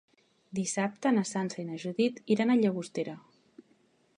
Dissabte na Sança i na Judit iran a Llagostera.